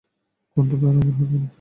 Control আর আমার হাতে নেই!